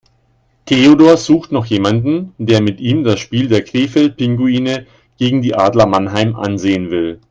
Theodor sucht noch jemanden, der mit ihm das Spiel der Krefeld Pinguine gegen die Adler Mannheim ansehen will.